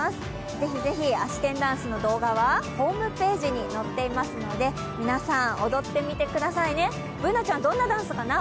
ぜひぜひあし天ダンスの動画はホームページに載っていますので皆さん、踊ってみてくださいね、Ｂｏｏｎａちゃん、どんなダンスかな？